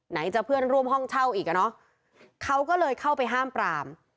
จะเพื่อนร่วมห้องเช่าอีกอ่ะเนอะเขาก็เลยเข้าไปห้ามปราม